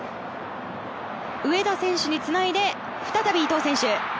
上田選手につないで再び伊東選手。